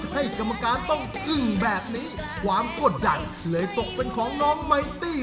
ผมเชื่อว่าพี่มิติ